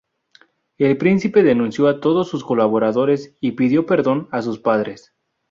El príncipe denunció a todos sus colaboradores y pidió perdón a sus padres.